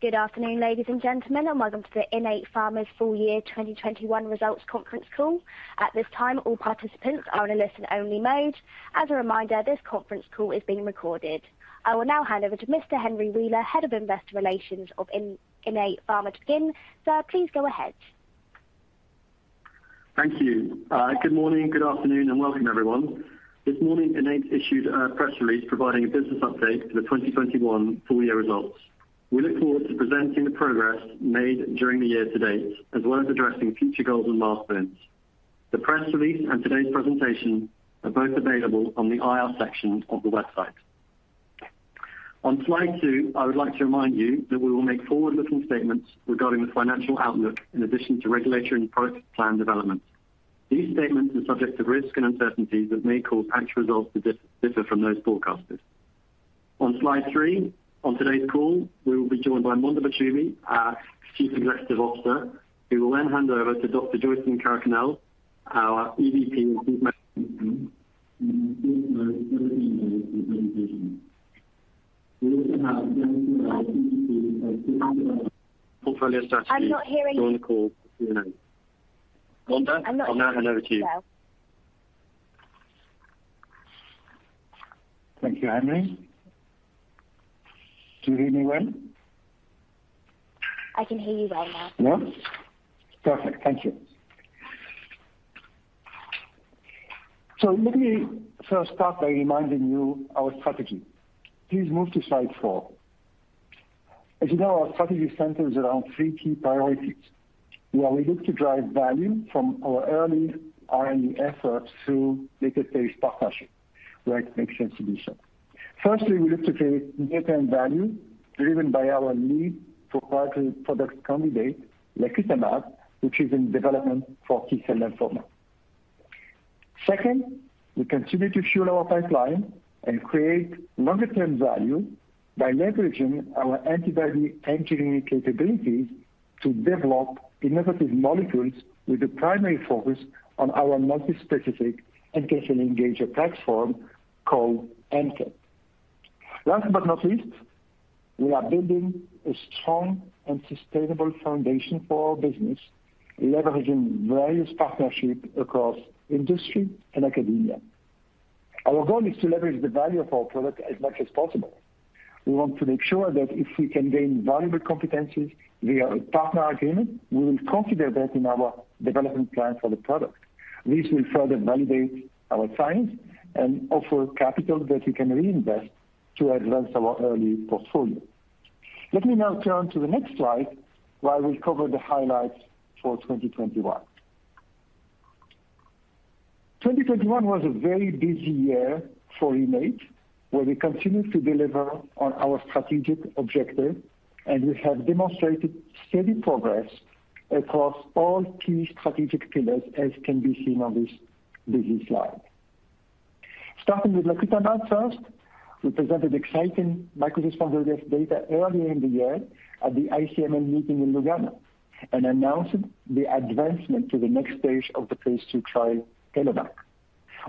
Good afternoon, ladies and gentlemen, and welcome to Innate Pharma's full year 2021 results conference call. At this time, all participants are on a listen only mode. As a reminder, this conference call is being recorded. I will now hand over to Mr. Henry Wheeler, Head of Investor Relations of Innate Pharma to begin. Sir, please go ahead. Thank you. Good morning, good afternoon, and welcome everyone. This morning, Innate issued a press release providing a business update for the 2021 full year results. We look forward to presenting the progress made during the year to date, as well as addressing future goals and milestones. The press release and today's presentation are both available on the IR section of the website. On Slide 2, I would like to remind you that we will make forward-looking statements regarding the financial outlook in addition to regulatory and product plan developments. These statements are subject to risk and uncertainties that may cause actual results to differ from those forecasted. On Slide 3, on today's call, we will be joined by Mondher Mahjoubi, our Chief Executive Officer, who will then hand over to Dr. Joyson Karakunnel, our EVP of portfolio strategy- I'm not hearing. On the call for Q&A. Mondher, I'll now hand over to you. Thank you, Henry. Can you hear me well? I can hear you well now. Yeah. Perfect. Thank you. Let me first start by reminding you our strategy. Please move to Slide 4. As you know, our strategy centers around 3 key priorities. We are looking to drive value from our early R&D efforts through later-stage partnerships where it makes sense to do so. Firstly, we look to create near-term value driven by our lead proprietary product candidate, lacutamab, which is in development for T-cell lymphoma. Second, we continue to fuel our pipeline and create longer term value by leveraging our antibody engineering capabilities to develop innovative molecules with the primary focus on our multispecific and cancer engaging platform called ANKET. Last but not least, we are building a strong and sustainable foundation for our business, leveraging various partnerships across industry and academia. Our goal is to leverage the value of our product as much as possible. We want to make sure that if we can gain valuable competencies via a partner agreement, we will consider that in our development plan for the product. This will further validate our science and offer capital that we can reinvest to advance our early portfolio. Let me now turn to the next slide, where I will cover the highlights for 2021. 2021 was a very busy year for Innate, where we continued to deliver on our strategic objectives, and we have demonstrated steady progress across all key strategic pillars, as can be seen on this busy slide. Starting with lacutamab first, we presented exciting micro-responder data earlier in the year at the ICML meeting in Lugano and announced the advancement to the next stage of the Phase II trial, TELLOMAK.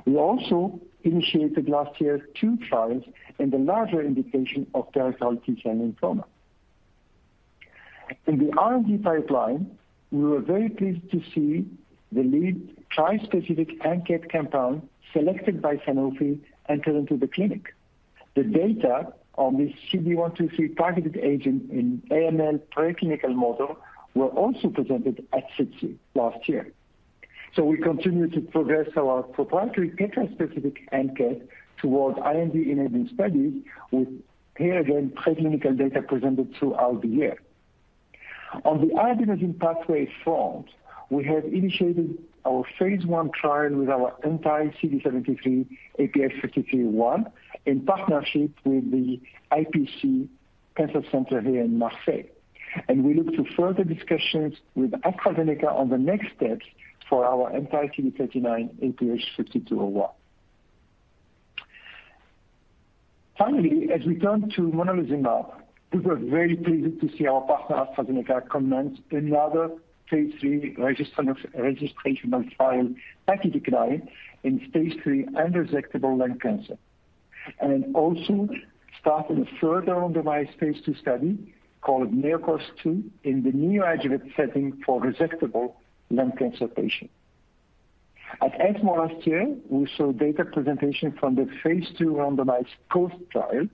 We also initiated last year 2 trials in the larger indication of peripheral T-cell lymphoma. In the R&D pipeline, we were very pleased to see the lead tri-specific ANKET compound selected by Sanofi enter into the clinic. The data on the CD123-targeted agent in AML preclinical model were also presented at SITC last year. We continue to progress our proprietary tetraspecific ANKET towards IND-enabling studies with here again preclinical data presented throughout the year. On the immuno-oncology pathway front, we have initiated our Phase I trial with our anti-CD73 IPH5301 in partnership with the IPC Cancer Center here in Marseille. We look to further discussions with AstraZeneca on the next steps for our anti-CD39 IPH5201. Finally, as we turn to monalizumab, we were very pleased to see our partner AstraZeneca commence another Phase III registrational trial, PACIFIC-9, in Phase III unresectable lung cancer. We are also starting a further randomized Phase II study called NeoCOAST-2 in the neoadjuvant setting for resectable lung cancer patients. At ESMO last year, we saw data presentation from the Phase II randomized COAST trial,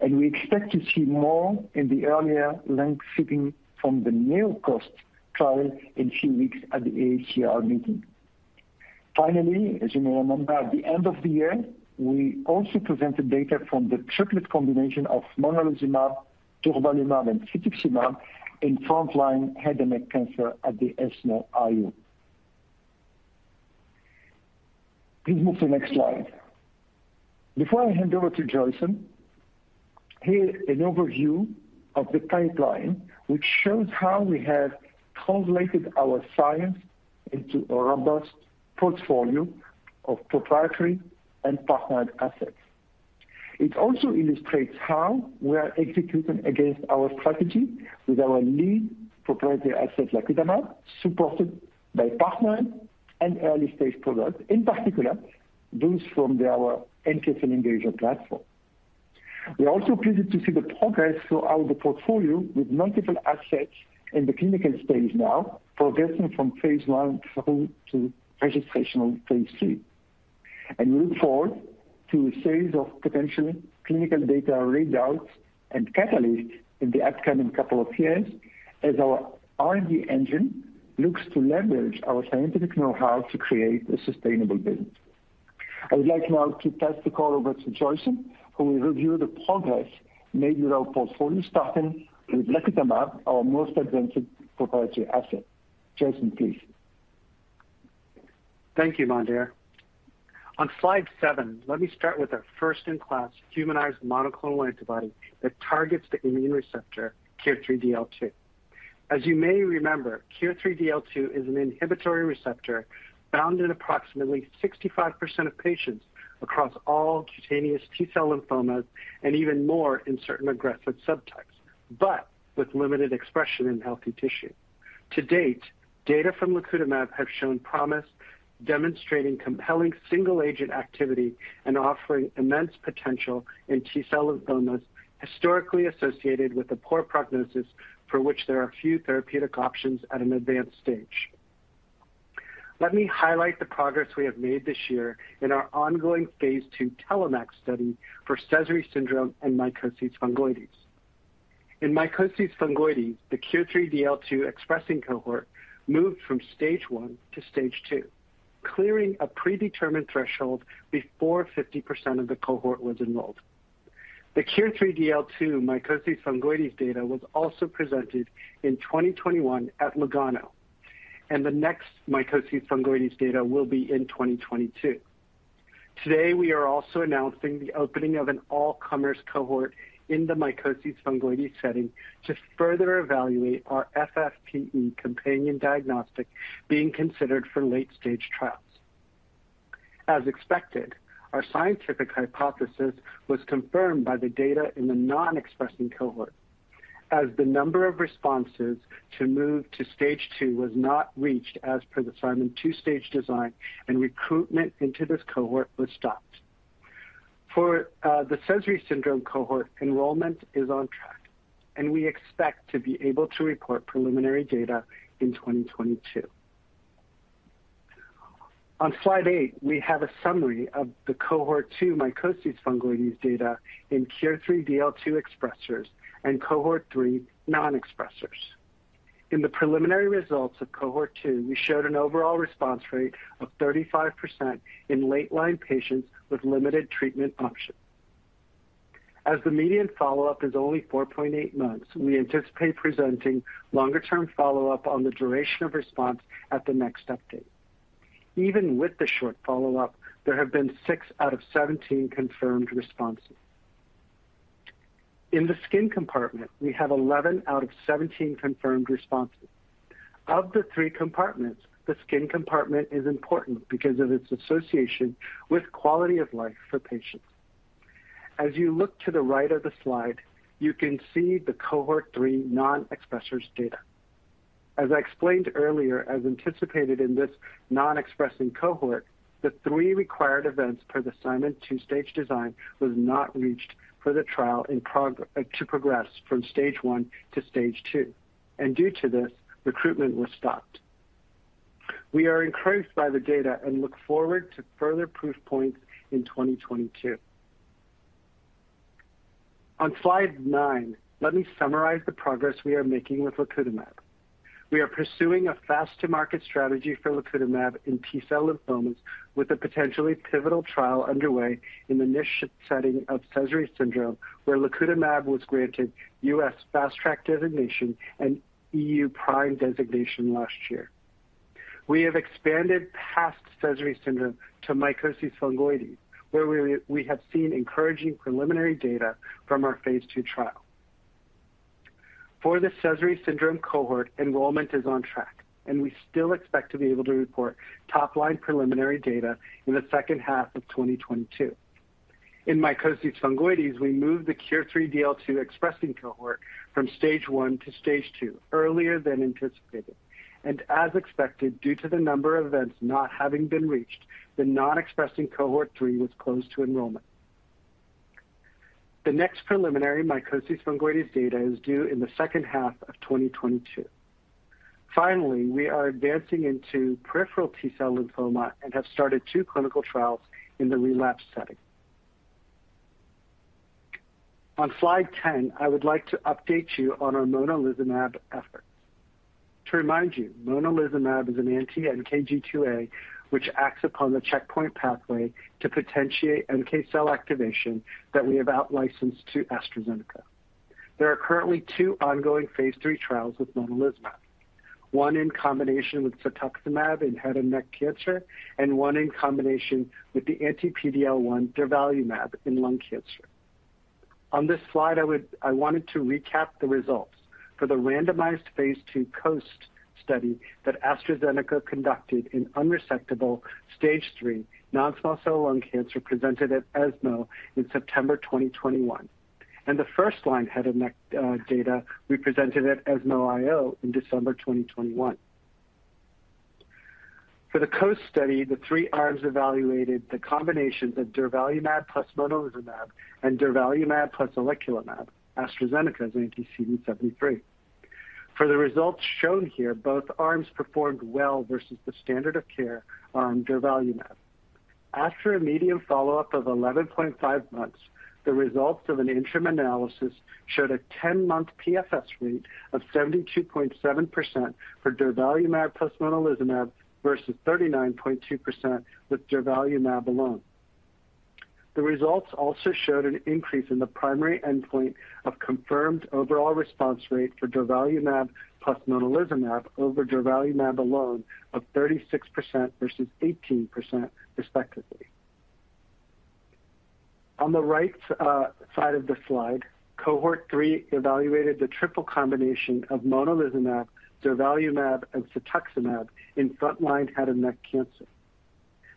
and we expect to see more in the neoadjuvant setting from the NeoCOAST trial in a few weeks at the AACR meeting. Finally, as you may remember, at the end of the year, we also presented data from the triplet combination of monalizumab, durvalumab, and cetuximab in frontline head and neck cancer at the ESMO IO. Please move to next slide. Before I hand over to Joyson, here is an overview of the pipeline which shows how we have translated our science into a robust portfolio of proprietary and partnered assets. It also illustrates how we are executing against our strategy with our lead proprietary asset, lacutamab, supported by partnered and early-stage products, in particular, those from our ANKET platform. We are also pleased to see the progress throughout the portfolio with multiple assets in the clinical stage now progressing from Phase I through to registrational Phase III. We look forward to a series of potential clinical data readouts and catalysts in the upcoming couple of years as our R&D engine looks to leverage our scientific know-how to create a sustainable business. I would like now to pass the call over to Joyson, who will review the progress made with our portfolio, starting with lacutamab, our most advanced proprietary asset. Joyson, please. Thank you, Mondher. On Slide 7, let me start with our first-in-class humanized monoclonal antibody that targets the immune receptor KIR3DL2. As you may remember, KIR3DL2 is an inhibitory receptor found in approximately 65% of patients across all cutaneous T-cell lymphomas and even more in certain aggressive subtypes, but with limited expression in healthy tissue. To date, data from lacutamab have shown promise, demonstrating compelling single-agent activity and offering immense potential in T-cell lymphomas historically associated with a poor prognosis for which there are few therapeutic options at an advanced stage. Let me highlight the progress we have made this year in our ongoing Phase II TELLOMAK study for Sézary syndrome and mycosis fungoides. In mycosis fungoides, the KIR3DL2 expressing cohort moved from Stage 1 to Stage 2, clearing a predetermined threshold before 50% of the cohort was enrolled. The KIR3DL2 mycosis fungoides data was also presented in 2021 at Lugano, and the next mycosis fungoides data will be in 2022. Today, we are also announcing the opening of an all-comers cohort in the mycosis fungoides setting to further evaluate our FFPE companion diagnostic being considered for late-stage trials. As expected, our scientific hypothesis was confirmed by the data in the non-expressing cohort as the number of responses to move to Stage 2 was not reached as per the Simon's two-stage design and recruitment into this cohort was stopped. For the Sézary syndrome cohort, enrollment is on track, and we expect to be able to report preliminary data in 2022. On Slide 8, we have a summary of the cohort 2 mycosis fungoides data in KIR3DL2 expressers and cohort 3 non-expressers. In the preliminary results of cohort 2, we showed an overall response rate of 35% in late-line patients with limited treatment options. As the median follow-up is only 4.8 months, we anticipate presenting longer-term follow-up on the duration of response at the next update. Even with the short follow-up, there have been 6 out of 17 confirmed responses. In the skin compartment, we have 11 out of 17 confirmed responses. Of the 3 compartments, the skin compartment is important, because of its association with quality of life for patients. As you look to the right of the slide, you can see the cohort 3 non-expressers data. As I explained earlier, as anticipated in this non-expressing cohort, the 3 required events per the Simon's two-stage design was not reached for the trial to progress from Stage 1 to Stage 2. Due to this, recruitment was stopped. We are encouraged by the data and look forward to further proof points in 2022. On Slide 9, let me summarize the progress we are making with lacutamab. We are pursuing a fast-to-market strategy for lacutamab in T-cell lymphomas with a potentially pivotal trial underway in the niche setting of Sézary syndrome, where lacutamab was granted US Fast Track designation and EU PRIME designation last year. We have expanded past Sézary syndrome to mycosis fungoides, where we have seen encouraging preliminary data from our Phase II trial. For the Sézary syndrome cohort, enrollment is on track, and we still expect to be able to report top-line preliminary data in the second half of 2022. In mycosis fungoides, we moved the KIR3DL2 expressing cohort from Stage 1 to Stage 2 earlier than anticipated. As expected, due to the number of events not having been reached, the non-expressing cohort 3 was closed to enrollment. The next preliminary mycosis fungoides data is due in the second half of 2022. Finally, we are advancing into peripheral T-cell lymphoma and have started 2 clinical trials in the relapse setting. On Slide 10, I would like to update you on our monalizumab efforts. To remind you, monalizumab is an anti-NKG2A which acts upon the checkpoint pathway to potentiate NK cell activation that we have outlicensed to AstraZeneca. There are currently 2 ongoing Phase III trials with monalizumab. One in combination with cetuximab in head and neck cancer, and one in combination with the anti-PD-L1 durvalumab in lung cancer. On this slide, I wanted to recap the results for the randomized Phase II COAST study that AstraZeneca conducted in unresectable Stage III non-small cell lung cancer presented at ESMO in September 2021. The first line head and neck data we presented at ESMO IO in December 2021. For the COAST study, the 3 arms evaluated the combinations of durvalumab plus monalizumab and durvalumab plus oleclumab, AstraZeneca's anti-CD73. For the results shown here, both arms performed well versus the standard of care on durvalumab. After a median follow-up of 11.5 months, the results of an interim analysis showed a 10-month PFS rate of 72.7% for durvalumab plus monalizumab versus 39.2% with durvalumab alone. The results also showed an increase in the primary endpoint of confirmed overall response rate for durvalumab plus monalizumab over durvalumab alone of 36% versus 18% respectively. On the right, side of the slide, cohort 3 evaluated the triple combination of monalizumab, durvalumab, and cetuximab in front line head and neck cancer.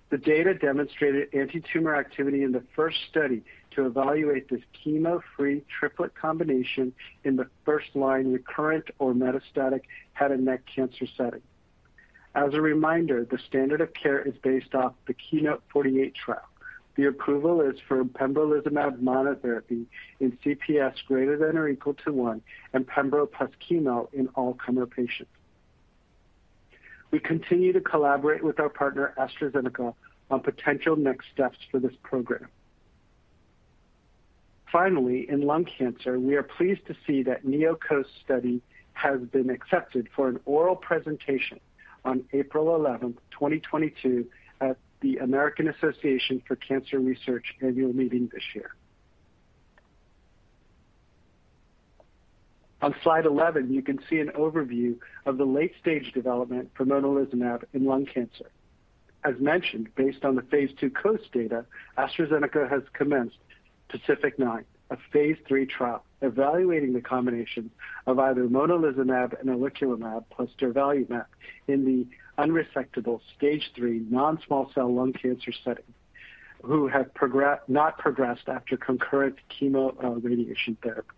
The data demonstrated antitumor activity in the first study to evaluate this chemo-free triplet combination in the first-line recurrent or metastatic head and neck cancer setting. As a reminder, the standard of care is based off the KEYNOTE-048 trial. The approval is for pembrolizumab monotherapy in CPS greater than or equal to 1, and pembro plus chemo in all comer patients. We continue to collaborate with our partner, AstraZeneca, on potential next steps for this program. Finally, in lung cancer, we are pleased to see that NeoCOAST study has been accepted for an oral presentation on April 11, 2022, at the American Association for Cancer Research annual meeting this year. On Slide 11, you can see an overview of the late-stage development for monalizumab in lung cancer. As mentioned, based on the Phase II COAST data, AstraZeneca has commenced PACIFIC-9, a Phase III trial evaluating the combination of either monalizumab and oleclumab plus durvalumab in the unresectable Stage III non-small cell lung cancer setting who have not progressed after concurrent chemo, radiation therapy.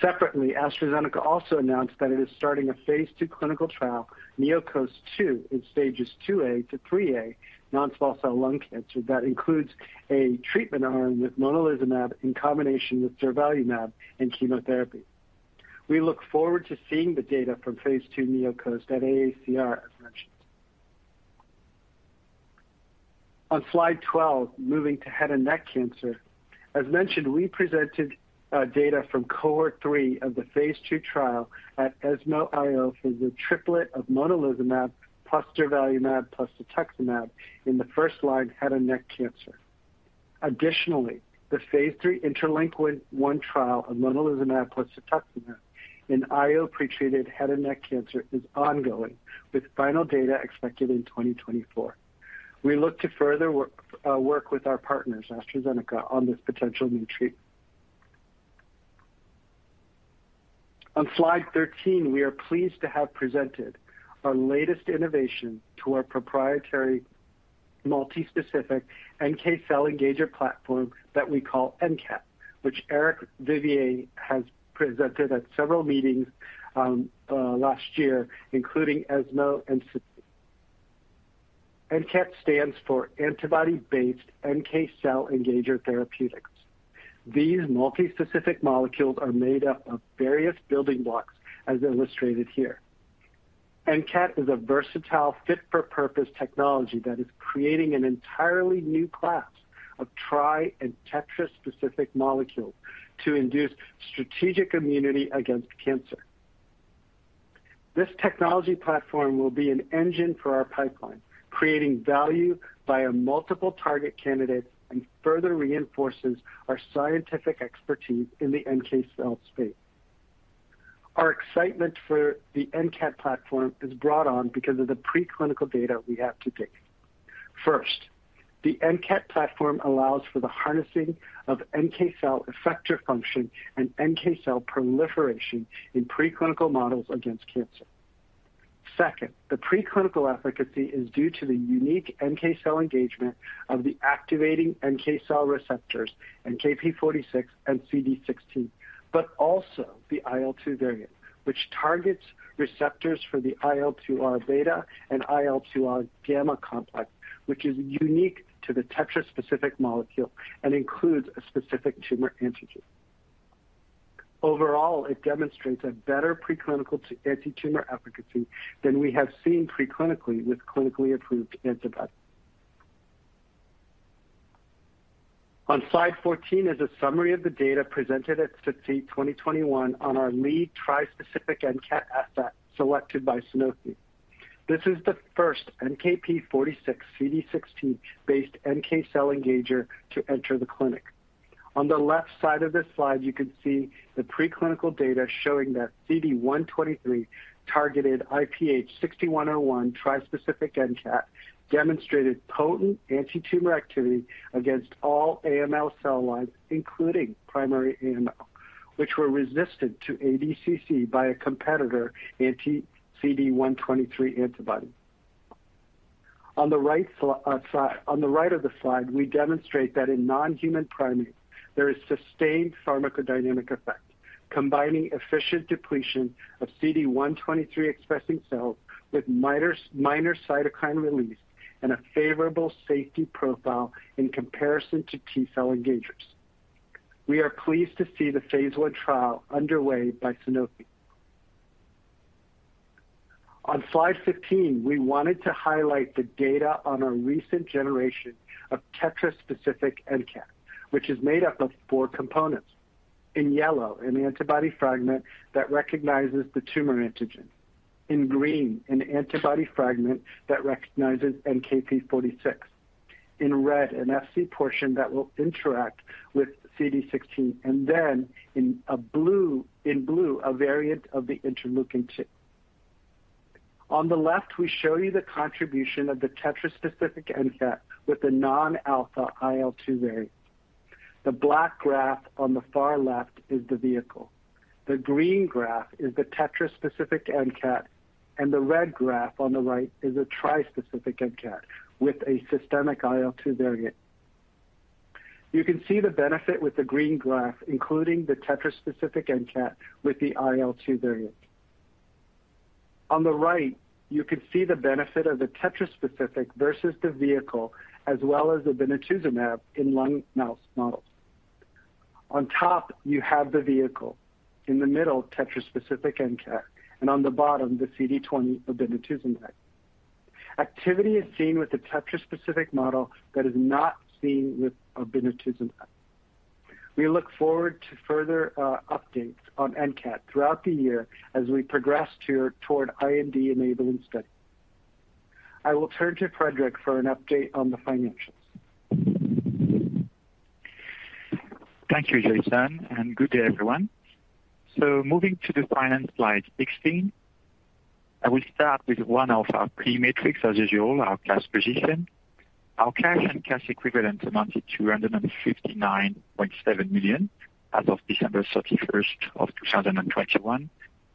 Separately, AstraZeneca also announced that it is starting a Phase II clinical trial, NeoCOAST-2, in Stages IIA to IIIA non-small cell lung cancer that includes a treatment arm with monalizumab in combination with durvalumab and chemotherapy. We look forward to seeing the data from Phase II NeoCOAST at AACR, as mentioned. On Slide 12, moving to head and neck cancer. As mentioned, we presented data from cohort 3 of the Phase II trial at ESMO IO for the triplet of monalizumab plus durvalumab plus cetuximab in the first-line head and neck cancer. Additionally, the Phase III INTERLINK-1 trial of monalizumab plus cetuximab in IO-pretreated head and neck cancer is ongoing, with final data expected in 2024. We look to further work with our partners, AstraZeneca, on this potential new treatment. On Slide 13, we are pleased to have presented our latest innovation to our proprietary multi-specific NK cell engager platform that we call ANKET, which Eric Vivier has presented at several meetings last year, including ESMO and SITC. ANKET stands for Antibody-based NK Cell Engager Therapeutics. These multi-specific molecules are made up of various building blocks, as illustrated here. ANKET is a versatile fit-for-purpose technology that is creating an entirely new class of tri- and tetra-specific molecules to induce strategic immunity against cancer. This technology platform will be an engine for our pipeline, creating value via multiple target candidates and further reinforces our scientific expertise in the NK cell space. Our excitement for the ANKET platform is brought on because of the preclinical data we have to date. First, the ANKET platform allows for the harnessing of NK cell effector function and NK cell proliferation in preclinical models against cancer. Second, the preclinical efficacy is due to the unique NK cell engagement of the activating NK cell receptors, NKp46 and CD16, but also the IL-2 variant, which targets receptors for the IL-2R beta and IL-2R gamma complex, which is unique to the tetra-specific molecule and includes a specific tumor antigen. Overall, it demonstrates a better preclinical anti-tumor efficacy than we have seen preclinically with clinically approved antibodies. On Slide 14 is a summary of the data presented at SITC 2021 on our lead tri-specific ANKET asset selected by Sanofi. This is the first NKp46 CD16 based NK cell engager to enter the clinic. On the left side of this slide, you can see the preclinical data showing that CD123 targeted IPH6101 tri-specific ANKET demonstrated potent anti-tumor activity against all AML cell lines, including primary AML, which were resistant to ADCC by a competitor anti-CD123 antibody. On the right slide, on the right of the slide, we demonstrate that in non-human primates there is sustained pharmacodynamic effect, combining efficient depletion of CD123 expressing cells with minor cytokine release and a favorable safety profile in comparison to T-cell engagers. We are pleased to see the Phase I trial underway by Sanofi. On Slide 15, we wanted to highlight the data on our recent generation of tetra-specific ANKET, which is made up of four components. In yellow, an antibody fragment that recognizes the tumor antigen. In green, an antibody fragment that recognizes NKp46. In red, an FC portion that will interact with CD16. In blue, a variant of the interleukin 2. On the left, we show you the contribution of the tetra-specific ANKET with the non-alpha IL-2 variant. The black graph on the far left is the vehicle. The green graph is the tetra-specific ANKET, and the red graph on the right is a tri-specific ANKET with a systemic IL-2 variant. You can see the benefit with the green graph, including the tetra-specific ANKET with the IL-2 variant. On the right, you can see the benefit of the tetra-specific versus the vehicle, as well as obinutuzumab in lung mouse models. On top you have the vehicle, in the middle, tetra-specific ANKET, and on the bottom the CD20 obinutuzumab. Activity is seen with the tetra-specific model that is not seen with obinutuzumab. We look forward to further updates on ANKET throughout the year as we progress toward IND-enabling study. I will turn to Frédéric for an update on the financials. Thank you, Joyson Karakunnel, and good day, everyone. Moving to the finance Slide 16. I will start with one of our key metrics, as usual, our cash position. Our cash and cash equivalents amounted to 159.7 million as of December 31, 2021.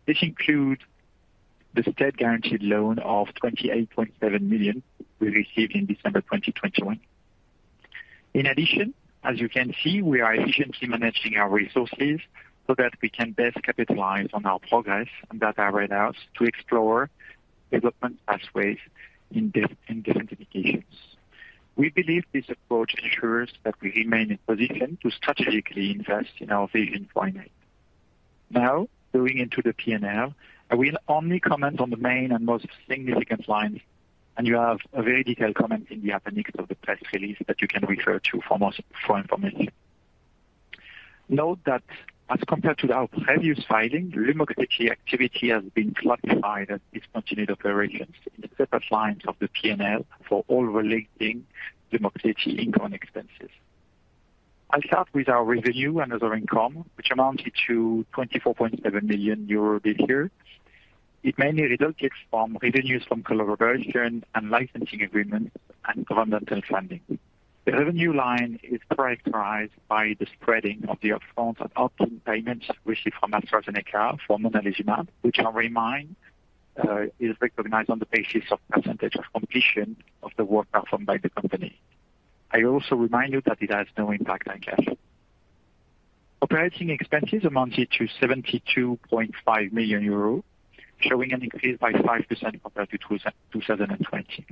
This includes the state guaranteed loan of 28.7 million we received in December 2021. In addition, as you can see, we are efficiently managing our resources so that we can best capitalize on our progress and data readouts to explore development pathways in different indications. We believe this approach ensures that we remain in position to strategically invest in our vision for Innate. Now, going into the P&L, I will only comment on the main and most significant lines, and you have a very detailed comment in the appendix of the press release that you can refer to for more information. Note that as compared to our previous filing, Lumoxiti activity has been classified as discontinued operations in separate lines of the P&L for all relating Lumoxiti income expenses. I'll start with our revenue and other income, which amounted to 24.7 million euro this year. It mainly resulted from revenues from collaboration and licensing agreements and governmental funding. The revenue line is characterized by the spreading of the upfront payments received from AstraZeneca for monalizumab, which I'll remind, is recognized on the basis of percentage of completion of the work performed by the company. I also remind you that it has no impact on cash. Operating expenses amounted to 72.5 million euros, showing an increase by 5% compared to 2020.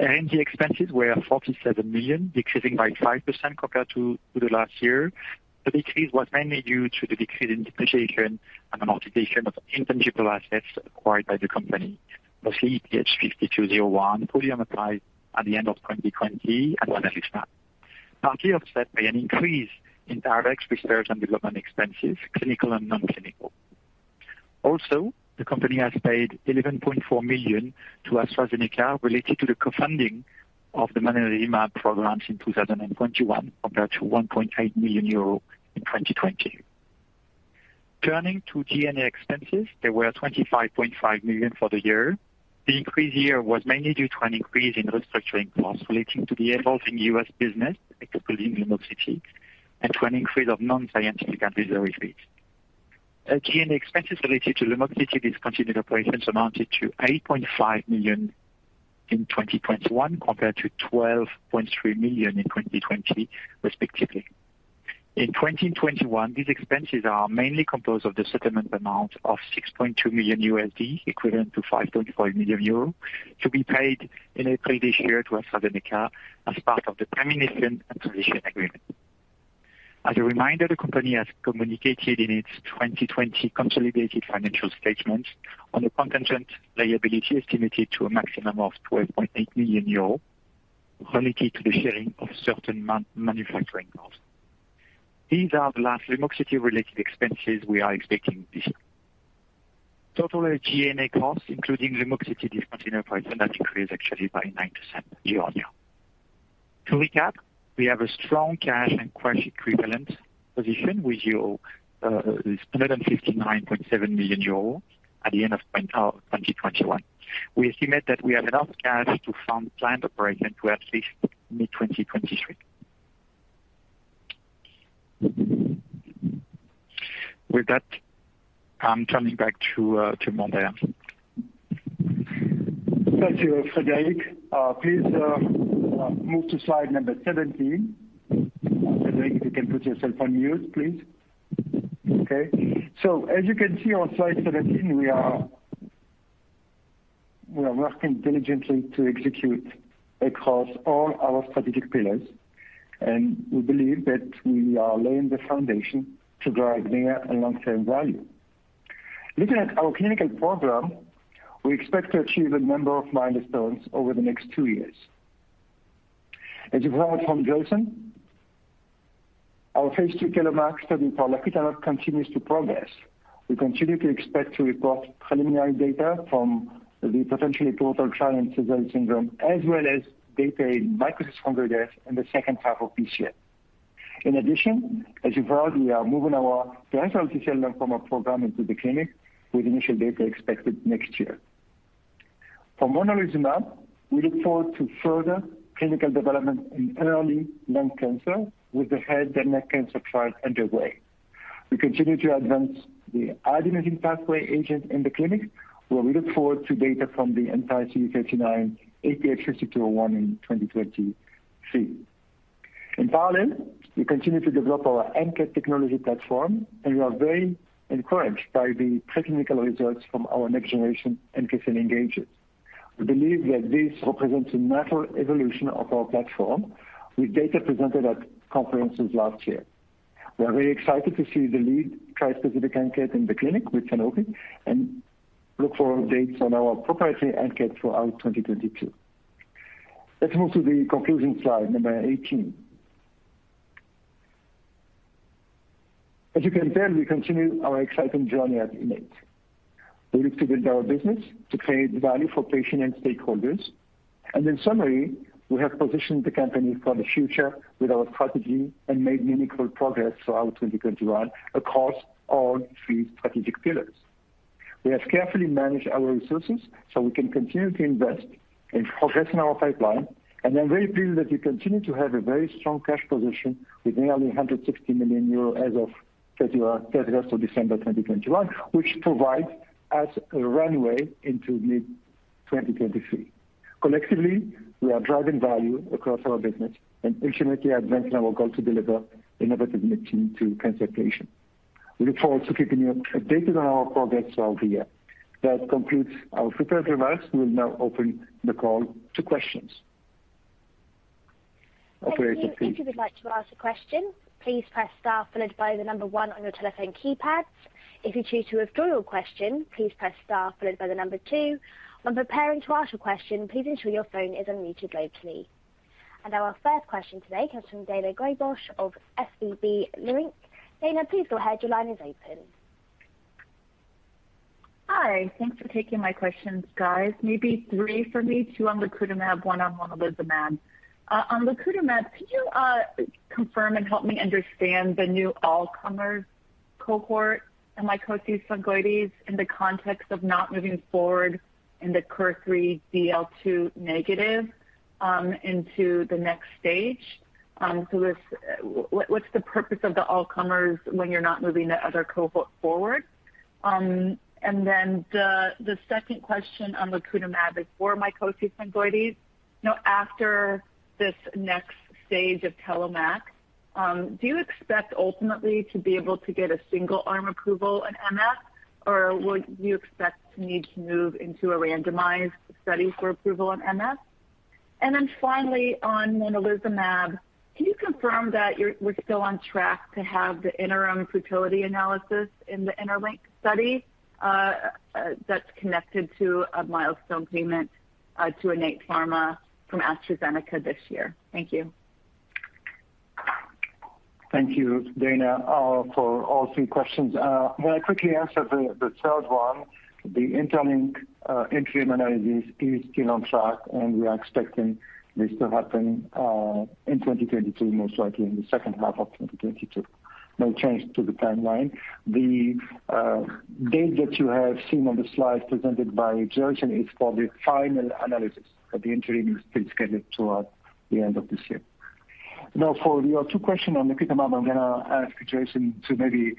R&D expenses were 47 million, increasing by 5% compared to the last year. The decrease was mainly due to the decrease in depreciation and amortization of intangible assets acquired by the company, mostly IPH5201 fully amortized at the end of 2020 and monalizumab, partly offset by an increase in R&D research and development expenses, clinical and non-clinical. Also, the company has paid 11.4 million to AstraZeneca related to the co-funding of the monalizumab programs in 2021, compared to 1.8 million euro in 2020. Turning to G&A expenses, they were 25.5 million for the year. The increase here was mainly due to an increase in restructuring costs relating to the evolving U.S. business, including Lumoxiti, and to an increase of non-scientific advisory fees. G&A expenses related to Lumoxiti discontinued operations amounted to 8.5 million in 2021, compared to 12.3 million in 2020, respectively. In 2021, these expenses are mainly composed of the settlement amount of $6.2 million, equivalent to 5.5 million euro, to be paid in April this year to AstraZeneca as part of the termination and transition agreement. As a reminder, the company has communicated in its 2020 consolidated financial statements on a contingent liability estimated to a maximum of 12.8 million euros related to the sharing of certain manufacturing costs. These are the last Lumoxiti related expenses we are expecting this year. Total G&A costs, including Lumoxiti discontinued operations, have decreased actually by 9% year-over-year. To recap, we have a strong cash and cash equivalent position with 159.7 million euro at the end of 2021. We estimate that we have enough cash to fund planned operation to at least mid-2023. With that, I'm turning back to Mondher. Thank you, Frédéric. Please move to Slide number 17. Frédéric, if you can put yourself on mute, please. As you can see on Slide 17, we are working diligently to execute across all our strategic pillars, and we believe that we are laying the foundation to drive near and long-term value. Looking at our clinical program, we expect to achieve a number of milestones over the next 2 years. As you've heard from Joyson, our Phase II TELLOMAK study for lacutamab continues to progress. We continue to expect to report preliminary data from the potentially total trial in Sézary syndrome, as well as data in mycosis fungoides in the second half of this year. In addition, as you've heard, we are moving our peripheral T-cell lymphoma program into the clinic with initial data expected next year. For monalizumab, we look forward to further clinical development in early lung cancer with the head and neck cancer trial underway. We continue to advance the adenosine pathway agent in the clinic, where we look forward to data from the NCT04261075 in 2023. In parallel, we continue to develop our ANKET technology platform, and we are very encouraged by the pre-clinical results from our next generation ANKET engager. We believe that this represents a natural evolution of our platform with data presented at conferences last year. We are very excited to see the lead tri-specific ANKET in the clinic with Sanofi and look for updates on our proprietary ANKET throughout 2022. Let's move to the conclusion Slide number 18. As you can tell, we continue our exciting journey at Innate. We look to build our business to create value for patients and stakeholders. In summary, we have positioned the company for the future with our strategy and made meaningful progress throughout 2021 across all 3 strategic pillars. We have carefully managed our resources so we can continue to invest in progressing our pipeline, and I'm very pleased that we continue to have a very strong cash position with nearly 160 million euro as of 31 December 2021, which provides us a runway into mid-2023. Collectively, we are driving value across our business and ultimately advancing our goal to deliver innovative medicine to cancer patients. We look forward to keeping you updated on our progress throughout the year. That concludes our prepared remarks. We will now open the call to questions. Operator, please. Thank you. If you would like to ask a question, please press star followed by the number 1 on your telephone keypads. If you choose to withdraw your question, please press star followed by the number 2. When preparing to ask your question, please ensure your phone is unmuted locally. Our first question today comes from Daina Graybosch of SVB Leerink. Daina, please go ahead. Your line is open. Hi. Thanks for taking my questions, guys. Maybe 3 for me, 2 on lacutamab, one on monalizumab. On lacutamab, could you confirm and help me understand the new all-comers cohort in mycosis fungoides in the context of not moving forward in the current KIR3DL2-negative into the next stage? What's the purpose of the all-comers when you're not moving the other cohort forward? And then the second question on lacutamab is for mycosis fungoides. You know, after this next stage of TELLOMAK, do you expect ultimately to be able to get a single-arm approval in MF, or would you expect to need to move into a randomized study for approval in MF? on monalizumab, can you confirm that we're still on track to have the interim futility analysis in the INTERLINK-1 study, that's connected to a milestone payment to Innate Pharma from AstraZeneca this year? Thank you. Thank you, Daina, for all 3 questions. May I quickly answer the third one? The INTERLINK interim analysis is still on track, and we are expecting this to happen in 2022, most likely in the second half of 2022. No change to the timeline. The date that you have seen on the slide presented by Joyson is for the final analysis, but the interim is still scheduled towards the end of this year. Now, for your 2 questions on lacutamab, I'm gonna ask Joyson to maybe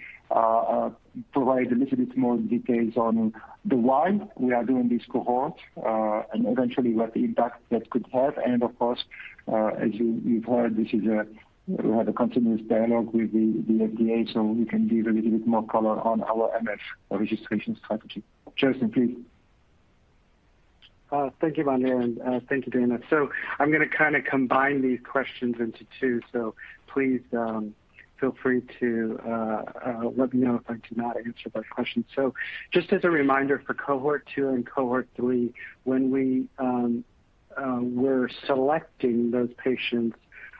provide a little bit more details on why we are doing this cohort, and eventually what the impact that could have. Of course, as you've heard, we have a continuous dialogue with the FDA, so we can give a little bit more color on our MS registration strategy. Joyson, please. Thank you, Mondher, and thank you, Daina. I'm gonna kinda combine these questions into 2. Please feel free to let me know if I do not answer both questions. Just as a reminder for cohort 2 and cohort 3, when we were selecting those patients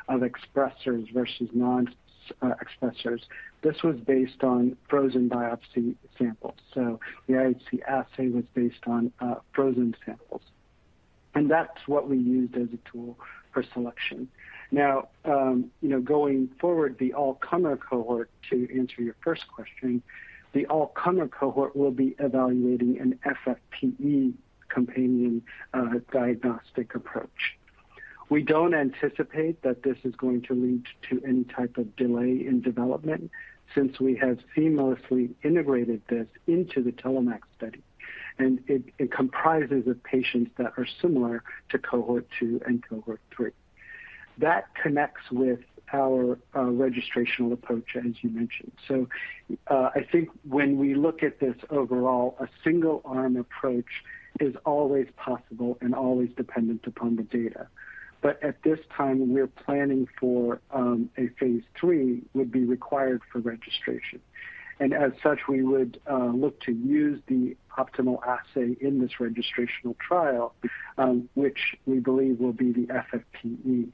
of expressers versus non expressers, this was based on frozen biopsy samples. The IHC assay was based on frozen samples. That's what we used as a tool for selection. Now, you know, going forward, the all-comer cohort, to answer your first question, the all-comer cohort will be evaluating an FFPE companion diagnostic approach. We don't anticipate that this is going to lead to any type of delay in development since we have seamlessly integrated this into the TELLOMAK study, and it comprises of patients that are similar to cohort 2 and cohort 3. That connects with our registrational approach, as you mentioned. I think when we look at this overall, a single arm approach is always possible and always dependent upon the data. At this time, we're planning for a Phase III would be required for registration. As such, we would look to use the optimal assay in this registrational trial, which we believe will be the FFPE.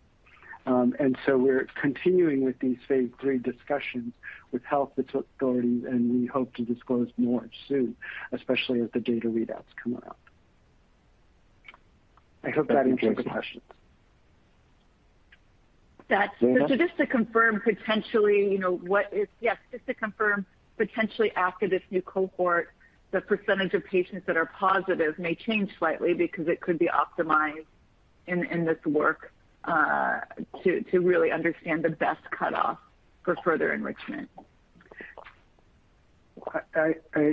We're continuing with these Phase III discussions with health authorities, and we hope to disclose more soon, especially as the data readouts come out. I hope that answers the question. Yes, just to confirm potentially after this new cohort, the percentage of patients that are positive may change slightly because it could be optimized in this work to really understand the best cutoff for further enrichment.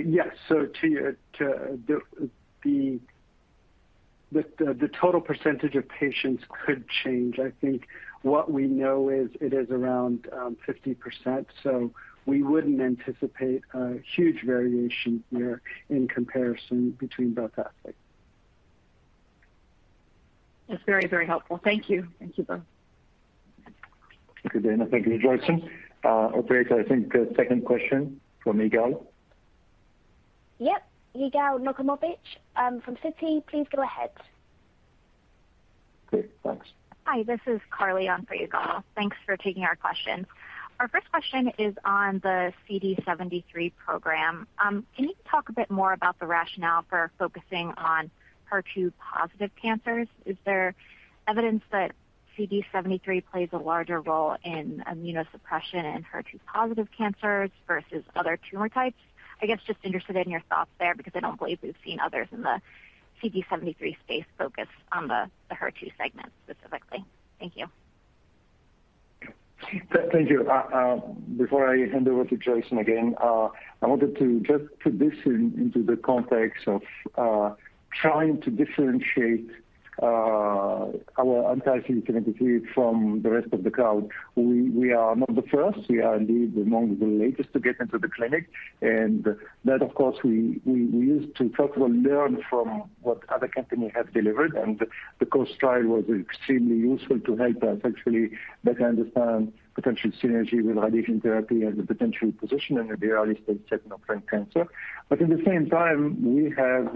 Yes. To the total percentage of patients could change. I think what we know is it is around 50%, so we wouldn't anticipate a huge variation here in comparison between both assets. That's very, very helpful. Thank you. Thank you both. Thank you, Daina. Thank you, Joyson. Operator, I think the second question from Yigal. Yep. Yigal Nochomovitz, from Citi, please go ahead. Okay, thanks. Hi, this is Carly on for Yigal Nochomovitz. Thanks for taking our question. Our first question is on the CD73 program. Can you talk a bit more about the rationale for focusing on HER2 positive cancers? Is there evidence that CD73 plays a larger role in immunosuppression in HER2 positive cancers versus other tumor types? I guess just interested in your thoughts there because I don't believe we've seen others in the CD73 space focus on the HER2 segment specifically. Thank you. Thank you. Before I hand over to Joyson again, I wanted to just put this into the context of trying to differentiate our anti-CD73 from the rest of the crowd. We are not the first. We are indeed among the latest to get into the clinic. That, of course, we used to first of all learn from what other companies have delivered. The COAST trial was extremely useful to help us actually better understand potential synergy with radiation therapy and the potential position in the early-stage NSCLC. At the same time, we have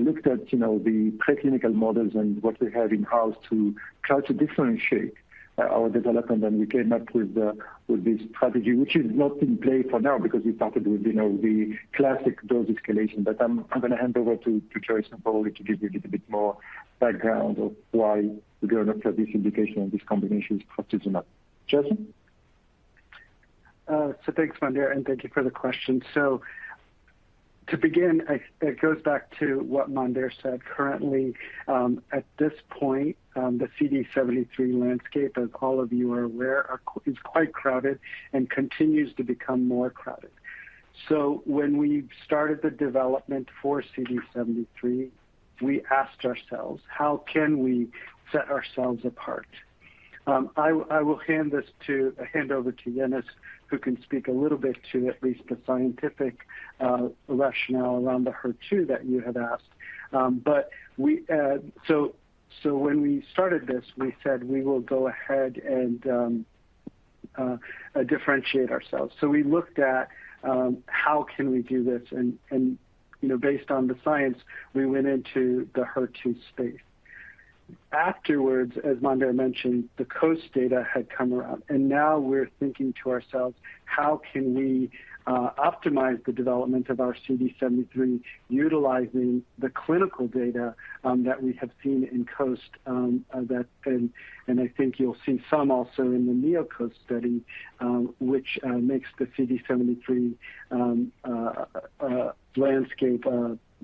looked at, you know, the preclinical models and what we have in-house to try to differentiate our development. We came up with this strategy, which is not in play for now because we started with, you know, the classic dose escalation. I'm gonna hand over to Joyson Karakunnel to give you a little bit more background of why we're gonna have this indication and this combination is attractive or not. Joyson. Thanks, Mondher, and thank you for the question. To begin, it goes back to what Mondher said. Currently, at this point, the CD73 landscape, as all of you are aware, is quite crowded and continues to become more crowded. When we started the development for CD73, we asked ourselves, how can we set ourselves apart? I will hand over to Yannis, who can speak a little bit to at least the scientific rationale around the HER2 that you had asked. But when we started this, we said we will go ahead and differentiate ourselves. We looked at how can we do this and, you know, based on the science, we went into the HER2 space. Afterwards, as Mondher mentioned, the COAST data had come around, and now we're thinking to ourselves, how can we optimize the development of our CD73 utilizing the clinical data that we have seen in COAST. I think you'll see some also in the NeoCOAST study, which makes the CD73 landscape,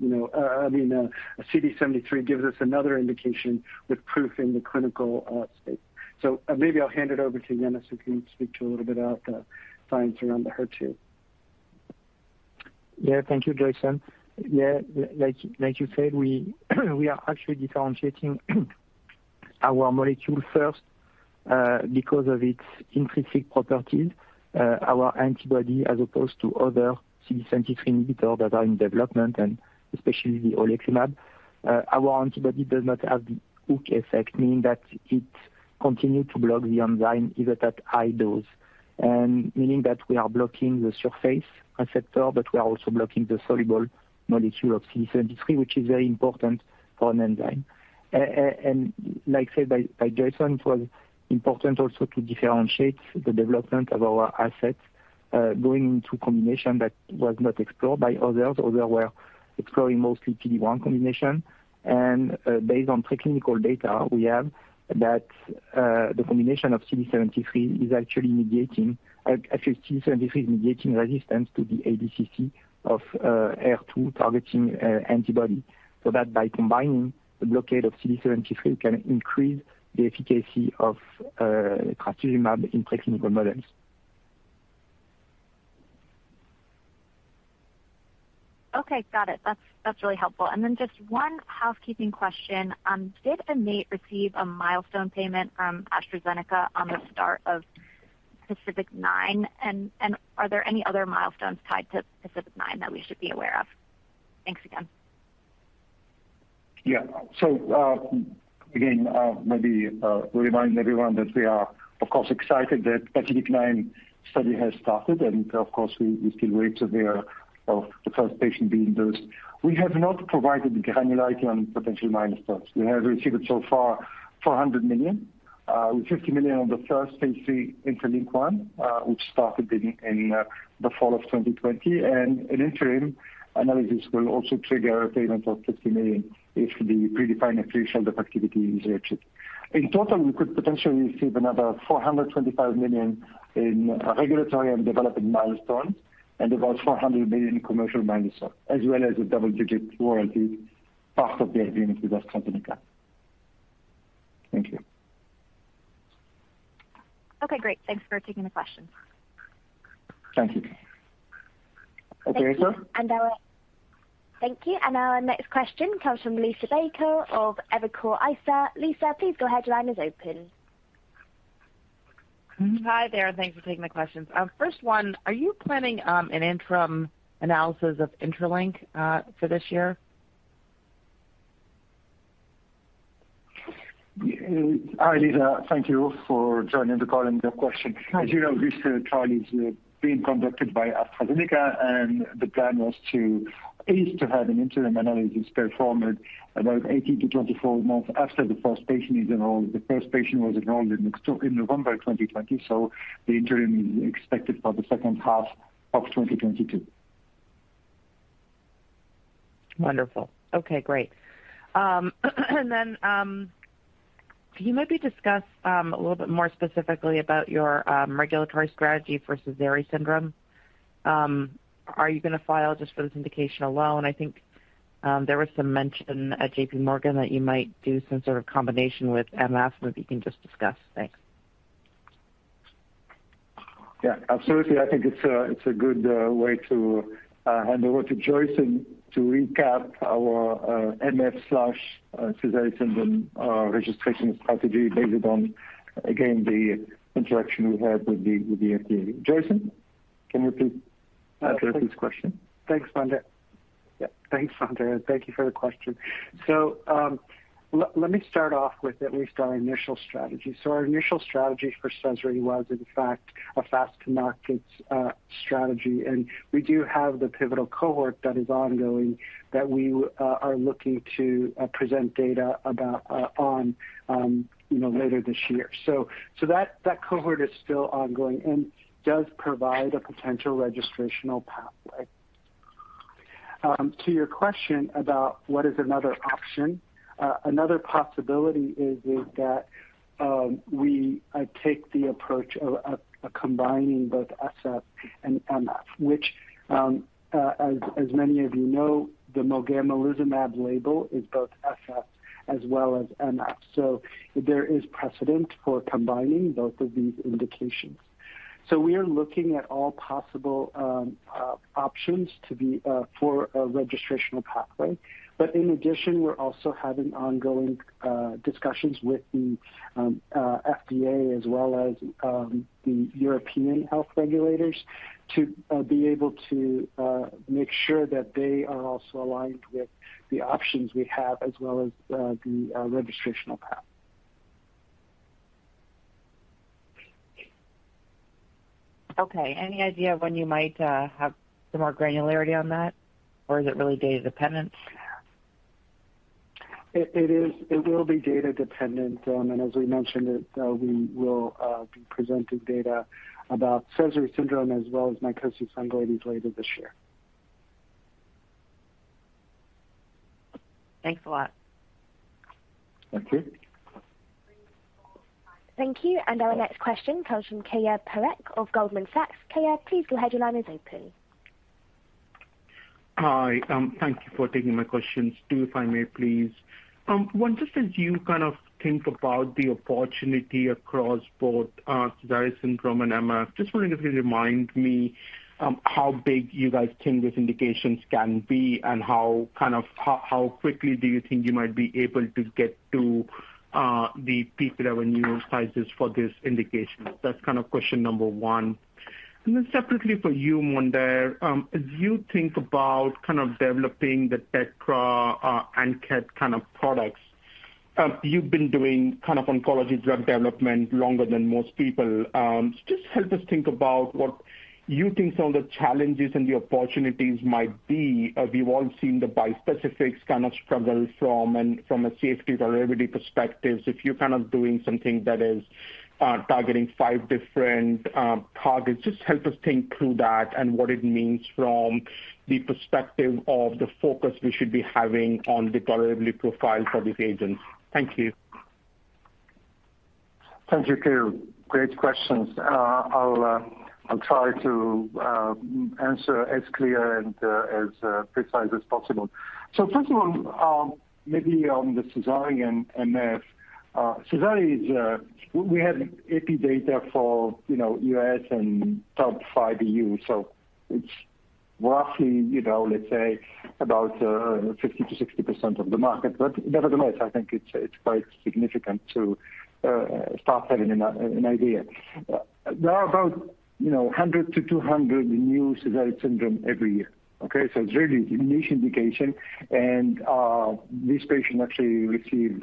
you know. I mean, CD73 gives us another indication with proof in the clinical space. Maybe I'll hand it over to Yannis, who can speak to a little bit of the science around the HER2. Yeah. Thank you, Joyson. Yeah. Like you said, we are actually differentiating our molecule first because of its intrinsic properties. Our antibody, as opposed to other CD73 inhibitor that are in development, and especially the oleclumab, our antibody does not have the hook effect, meaning that it continue to block the enzyme even at high dose. Meaning that we are blocking the surface receptor, but we are also blocking the soluble molecule of CD73, which is very important for an enzyme. Like said by Joyson, it was important also to differentiate the development of our assets, going into combination that was not explored by others. Others were exploring mostly PD-1 combination. Based on preclinical data we have that actually CD73 is mediating resistance to the ADCC of HER2 targeting antibody. That by combining the blockade of CD73 can increase the efficacy of trastuzumab in preclinical models. Okay, got it. That's really helpful. Just one housekeeping question. Did Innate receive a milestone payment from AstraZeneca on the start of PACIFIC-9? Are there any other milestones tied to PACIFIC-9 that we should be aware of? Thanks again. Yeah. Again, maybe remind everyone that we are, of course, excited that PACIFIC-9 study has started. Of course, we still wait to hear of the first patient being dosed. We have not provided granularity on potential milestones. We have received so far 400 million with 50 million on the first Phase III INTERLINK-1, which started in the fall of 2020. An interim analysis will also trigger a payment of 50 million if the predefined threshold of activity is reached. In total, we could potentially receive another 425 million in regulatory and development milestones, and about 400 million in commercial milestones, as well as a double-digit royalty, part of the agreement with AstraZeneca. Thank you. Okay, great. Thanks for taking the questions. Thank you. Thank you. Thank you. Thank you. Our next question comes from Liisa Bayko of Evercore ISI. Liisa, please go ahead. Line is open. Hi there. Thanks for taking my questions. First one, are you planning an interim analysis of Interlink for this year? Hi, Liisa. Thank you for joining the call and your question. Sure. As you know, this trial is being conducted by AstraZeneca, and the plan was to aim to have an interim analysis performed about 18-24 months after the first patient is enrolled. The first patient was enrolled in November 2020, so the interim is expected for the second half of 2022. Wonderful. Okay, great. Can you maybe discuss a little bit more specifically about your regulatory strategy for Sézary syndrome? Are you gonna file just for this indication alone? I think there was some mention at JPMorgan that you might do some sort of combination with MF, maybe you can just discuss. Thanks. Yeah, absolutely. I think it's a good way to hand over to Joyson to recap our MF/Sézary syndrome registration strategy based on, again, the interaction we had with the FDA. Joyson, can you please address this question? Thanks, Mondher. Yeah. Thanks, Mondher, and thank you for the question. Let me start off with at least our initial strategy. Our initial strategy for Sézary was in fact a fast-to-market strategy. We do have the pivotal cohort that is ongoing that we are looking to present data about on you know later this year. That cohort is still ongoing and does provide a potential registrational pathway. To your question about what is another option, another possibility is that we take the approach of combining both SS and MF, which as many of you know the mogamulizumab label is both SS as well as MF. There is precedent for combining both of these indications. We are looking at all possible options for a registrational pathway. In addition, we're also having ongoing discussions with the FDA as well as the European health regulators to be able to make sure that they are also aligned with the options we have as well as the registrational path. Okay. Any idea when you might have some more granularity on that? Or is it really data dependent? It is. It will be data dependent. As we mentioned it, we will be presenting data about Sézary syndrome as well as mycosis fungoides later this year. Thanks a lot. Thank you. Thank you. Our next question comes from Keyur Parekh of Goldman Sachs. Keyur, please go ahead. Your line is open. Hi. Thank you for taking my questions. 2, if I may, please. One, just as you kind of think about the opportunity across both Sézary syndrome and MF, just wondering if you remind me how big you guys think these indications can be and how kind of quickly do you think you might be able to get to the peak revenue sizes for this indication? That's kind of question number one. Separately for you, Mondher, as you think about kind of developing the tetra and pent kind of products, you've been doing kind of oncology drug development longer than most people. Just help us think about what you think some of the challenges and the opportunities might be. We've all seen the bispecifics kind of struggle, from a safety and tolerability perspective. If you're kind of doing something that is targeting five different targets, just help us think through that and what it means from the perspective of the focus we should be having on the tolerability profile for these agents. Thank you. Thank you, Keyur. Great questions. I'll try to answer as clear and as precise as possible. First of all, maybe on the Sézary and MF. Sézary is, we have epi data for, you know, U.S. and top 5 EU. It's roughly, you know, let's say about 50%-60% of the market. But nevertheless, I think it's quite significant to start having an idea. There are about, you know, 100-200 new Sézary syndrome every year, okay? It's really a niche indication. These patients actually receive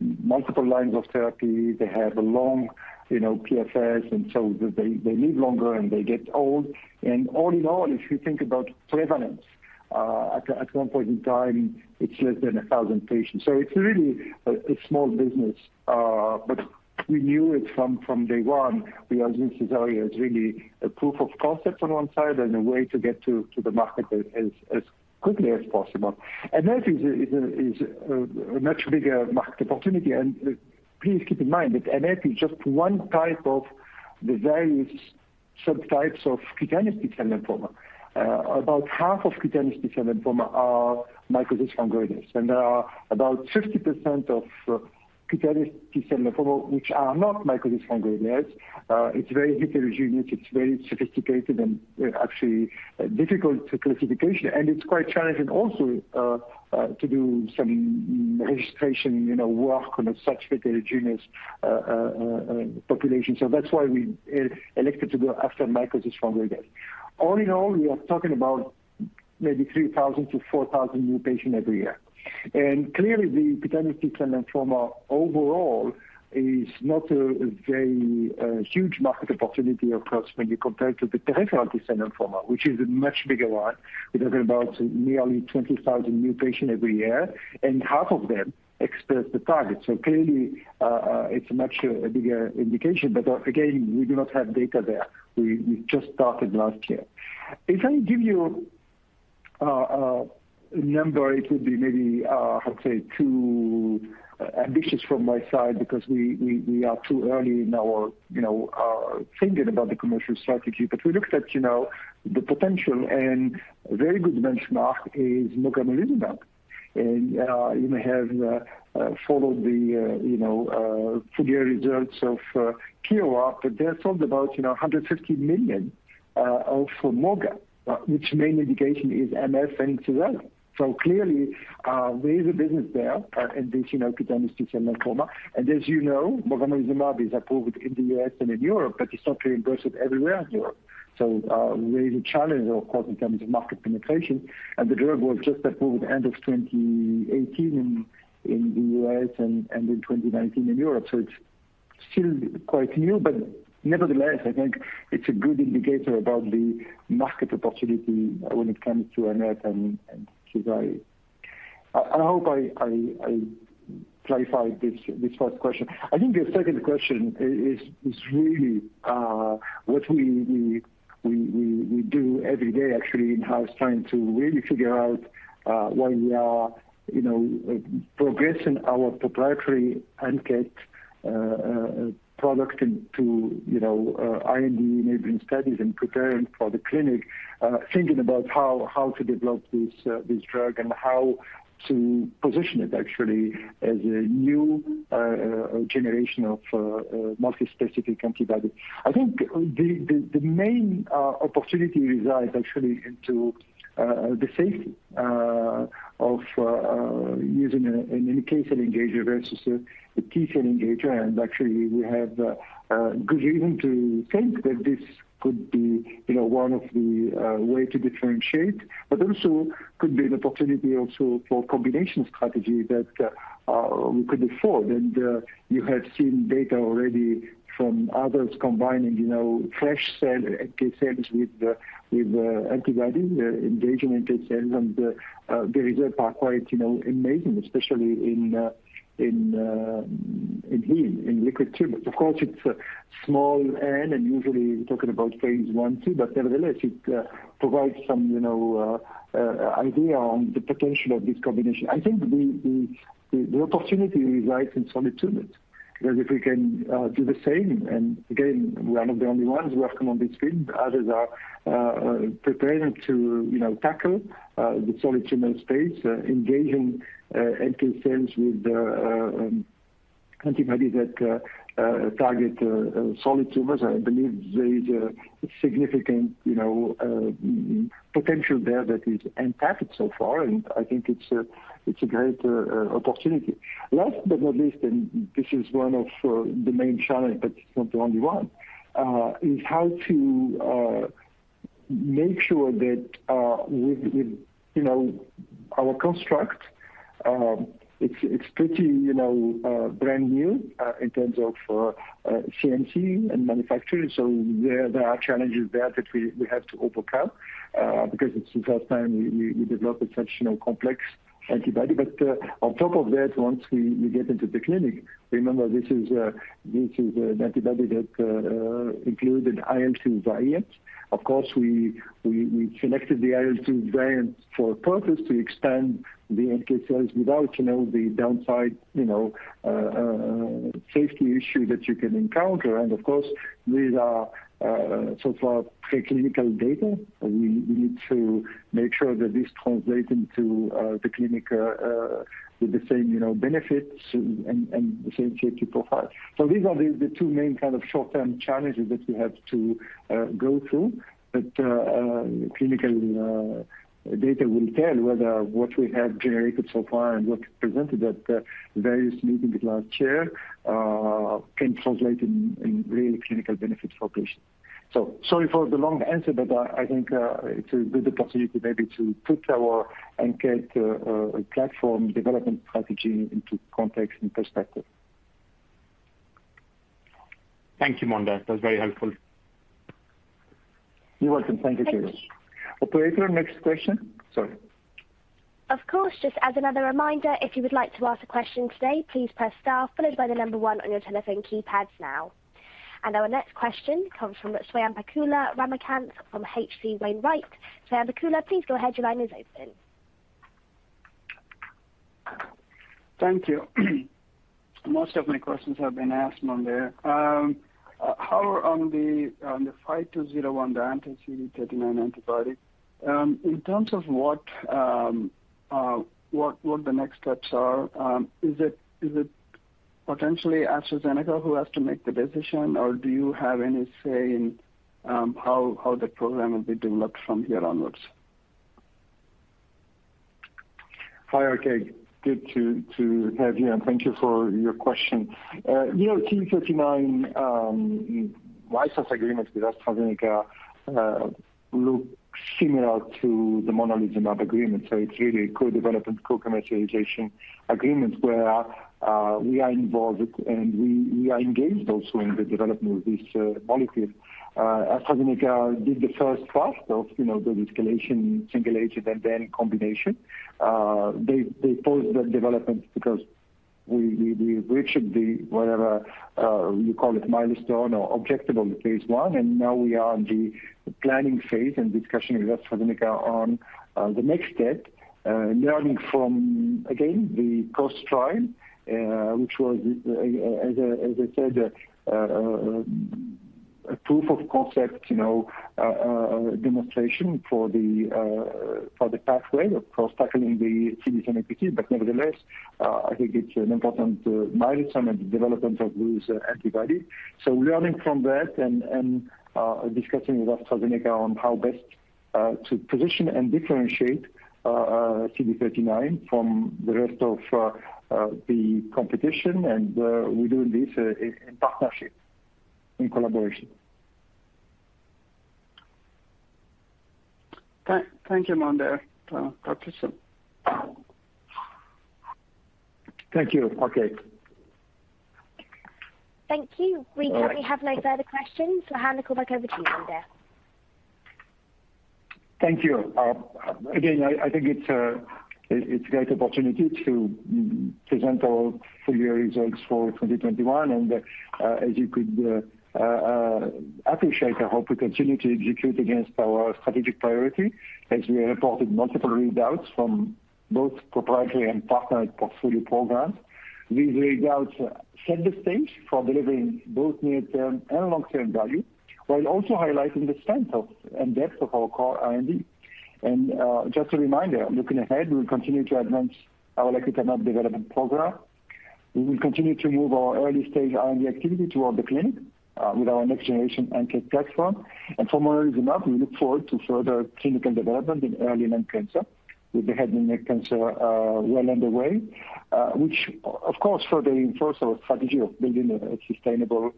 multiple lines of therapy. They have a long PFS, so they live longer, and they get old. All in all, if you think about prevalence at one point in time, it's less than 1,000 patients. It's really a small business. We knew it from day one. We argued Sézary is really a proof of concept on one side and a way to get to the market as quickly as possible. NF is a much bigger market opportunity. Please keep in mind that NF is just one type of the various subtypes of cutaneous T-cell lymphoma. About half of cutaneous T-cell lymphoma are mycosis fungoides. There are about 50% of cutaneous T-cell lymphoma which are not mycosis fungoides. It's very heterogeneous, it's very sophisticated, and actually difficult to classify. It's quite challenging also to do some registration, you know, work on such a heterogeneous population. That's why we elected to go after mycosis fungoides. All in all, we are talking about maybe 3,000-4,000 new patients every year. Clearly, the cutaneous T-cell lymphoma overall is not a very huge market opportunity especially when you compare it to the peripheral T-cell lymphoma, which is a much bigger one. We're talking about nearly 20,000 new patients every year, and half of them express the target. Clearly, it's a much bigger indication. Again, we do not have data there. We just started last year. If I give you a number, it would be maybe, I'd say too ambitious from my side because we are too early in our, you know, thinking about the commercial strategy. We looked at, you know, the potential and a very good benchmark is mogamulizumab. You may have followed the, you know, fiscal results of Kyowa, but they sold about, you know, $150 million of Moga, which main indication is MF and Sézary. Clearly, there is a business there, in this, you know, cutaneous T-cell lymphoma. As you know, mogamulizumab is approved in the U.S. and in Europe, but it's not reimbursed everywhere in Europe. There is a challenge, of course, in terms of market penetration. The drug was just approved end of 2018 in the U.S. and in 2019 in Europe. It's still quite new, but nevertheless, I think it's a good indicator about the market opportunity when it comes to MF and Sézary. I hope I clarified this first question. I think your second question is really what we do every day actually in-house, trying to really figure out while we are you know progressing our proprietary NK product into you know IND-enabling studies and preparing for the clinic, thinking about how to develop this drug and how to position it actually as a new generation of multi-specific antibody. I think the main opportunity resides actually into the safety of using an NK cell engager versus a T-cell engager. Actually, we have a good reason to think that this could be, you know, one of the way to differentiate, but also could be an opportunity also for combination strategy that we could afford. You have seen data already from others combining, you know, fresh cell NK cells with the antibody engaging NK cells, and the results are quite, you know, amazing, especially in liquid tumors. Of course, it's a small N, and usually we're talking about Phase I, II, but nevertheless, it provides some, you know, idea on the potential of this combination. I think the opportunity lies in solid tumors. Because if we can do the same, and again, we are not the only ones working on this field. Others are preparing to, you know, tackle the solid tumor space, engaging NK cells with antibody that target solid tumors. I believe there is a significant, you know, potential there that is untapped so far, and I think it's a great opportunity. Last but not least, and this is one of the main challenge, but it's not the only one, is how to make sure that with our construct, it's pretty brand new in terms of CMC and manufacturing. There are challenges there that we have to overcome because it's the first time we develop such, you know, complex antibody. On top of that, once we get into the clinic, remember this is an antibody that included IL-2 variants. Of course, we selected the IL-2 variants for a purpose to expand the NK cells without, you know, the downside, you know, safety issue that you can encounter. Of course, these are so far preclinical data. We need to make sure that this translate into the clinic with the same, you know, benefits and the same safety profile. These are the 2 main kind of short-term challenges that we have to go through. Clinical data will tell whether what we have generated so far and what's presented at various meetings with our chair can translate in real clinical benefit for patients. Sorry for the long answer, but I think it's a good opportunity maybe to put our ANKET platform development strategy into context and perspective. Thank you, Mondher. That was very helpful. You're welcome. Thank you, Titus. Thank you. Operator, next question. Sorry. Of course. Just as another reminder, if you would like to ask a question today, please press star followed by the number 1 on your telephone keypads now. Our next question comes from Swayampakula Ramakanth from H.C. Wainwright. Swayampakula, please go ahead. Your line is open. Thank you. Most of my questions have been asked, Mondher. How are we on the IPH5201, the anti-CD39 antibody, in terms of what the next steps are? Is it potentially AstraZeneca who has to make the decision or do you have any say in how the program will be developed from here onwards? Hi, RK. Good to have you, and thank you for your question. The IPH5201 license agreement with AstraZeneca looks similar to the monalizumab agreement. It's really a co-development, co-commercialization agreement where we are involved and we are engaged also in the development of this molecule. AstraZeneca did the first dose of the escalation, single agent and then combination. They paused the development because we reached the whatever you call it milestone or objective on the Phase I, and now we are in the planning phase and discussion with AstraZeneca on the next step, learning from, again, the COAST trial, which was, as I said, a proof of concept, you know, demonstration for the pathway for tackling the CD39. Nevertheless, I think it's an important milestone in the development of this antibody, learning from that and discussing with AstraZeneca on how best to position and differentiate CD39 from the rest of the competition, and we doing this in partnership, in collaboration. Thank you, Mondher. Talk to you soon. Thank you, RK. Thank you. All right. We currently have no further questions. I'll hand it back over to you, Mondher. Thank you. Again, I think it's a great opportunity to present our full year results for 2021. As you could appreciate, I hope we continue to execute against our strategic priority as we reported multiple readouts from both proprietary and partnered portfolio programs. These readouts set the stage for delivering both near-term and long-term value while also highlighting the strength and depth of our core R&D. Just a reminder, looking ahead, we'll continue to advance our late-stage development program. We will continue to move our early-stage R&D activity toward the clinic with our next generation NK platform. Furthermore, we look forward to further clinical development in early lung cancer with the head and neck cancer well underway, which of course further reinforce our strategy of building a sustainable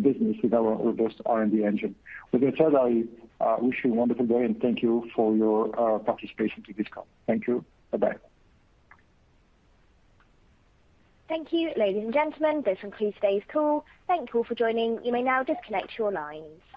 business with our robust R&D engine. With that said, I wish you a wonderful day, and thank you for your participation in this call. Thank you. Bye-bye. Thank you. Ladies and gentlemen, this concludes today's call. Thank you all for joining. You may now disconnect your lines.